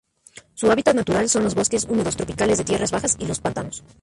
Su hábitat natural son los bosques húmedos tropicales de tierras bajas y los pantanos.